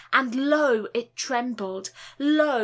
And lo! it trembled, lo!